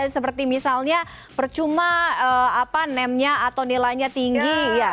seperti misalnya percuma apa name nya atau nilainya tinggi